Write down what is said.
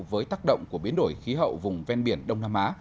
với tác động của biến đổi khí hậu vùng ven biển đông nam á